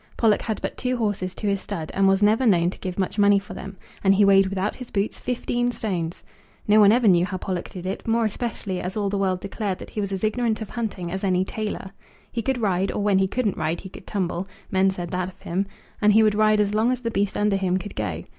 Pollock had but two horses to his stud, and was never known to give much money for them; and he weighed without his boots, fifteen stones! No one ever knew how Pollock did it; more especially as all the world declared that he was as ignorant of hunting as any tailor. He could ride, or when he couldn't ride he could tumble, men said that of him, and he would ride as long as the beast under him could go.